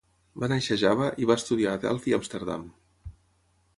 Va néixer a Java i va estudiar a Delft i Amsterdam.